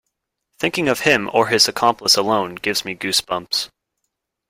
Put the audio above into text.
Thinking of him or his accomplice alone gives me goose bumps.